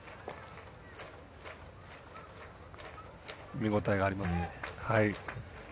見応えがあります。